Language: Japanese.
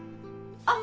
あっ！